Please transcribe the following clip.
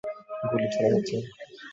গুলি ছোড়া হচ্ছে!